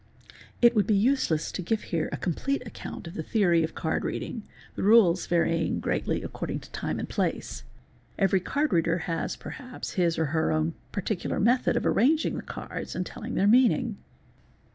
It would be useless to give here acomplete account of the theory of _ card reading, the rules vary greatly according to time and place"?": every ' card reader has perhaps his or her own particular method of arranging the cards and telling their meaning.